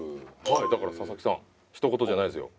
だから佐々木さん人ごとじゃないですよ